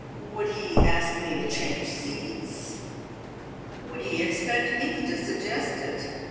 Would he ask me to change seats? Would he expect me to suggest it?